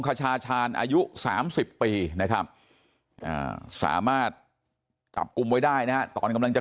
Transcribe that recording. ขชาชาญอายุ๓๐ปีนะครับสามารถจับกลุ่มไว้ได้นะฮะตอนกำลังจะ